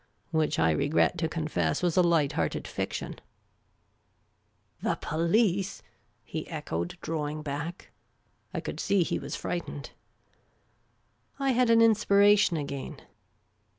Which I regret to confess was a light hearted fiction. The Amateur Commission A<'cnt us " The police ?" he echoed, drawing bnck. I could see he was frightened. I had an inspiration again.